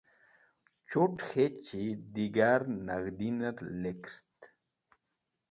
Chut̃ k̃hechi digar nag̃hdiner lekert.